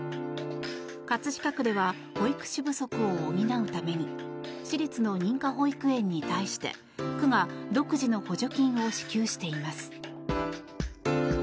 葛飾区では保育士不足を補うために私立の認可保育園に対して区が独自の補助金を支給しています。